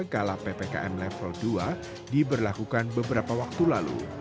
kala ppkm level dua diberlakukan beberapa waktu lalu